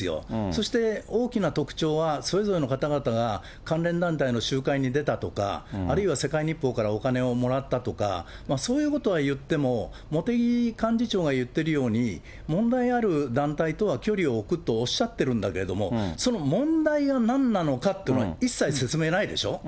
そして大きな特徴は、それぞれの方々が関連団体の集会に出たとか、あるいは世界日報からお金をもらったとか、そういうことは言っても、茂木幹事長が言ってるように、問題ある団体とは距離を置くとおっしゃってるんだけども、その問題はなんなのかっていうのは、一切説明ないでしょ。